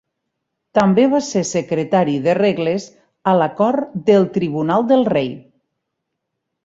També va ser secretari de regles a la Cort del Tribunal de Rei.